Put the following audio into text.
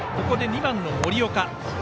ここで２番の森岡。